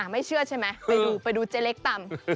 ไม่เชื่อใช่ไหมไปดูไปดูเจ๊เล็กตำ